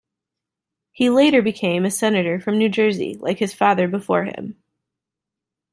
He later became a Senator from New Jersey like his father before him.